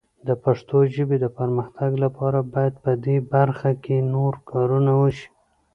د پښتو ژبې د پرمختګ لپاره باید په دې برخه کې نور کارونه وشي.